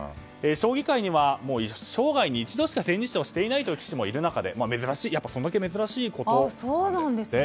将棋界には生涯に一度しか千日手をしていない棋士もいる中でそれだけ珍しいことなんですって。